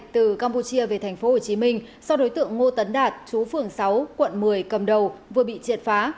từ campuchia về tp hcm do đối tượng ngô tấn đạt chú phường sáu quận một mươi cầm đầu vừa bị triệt phá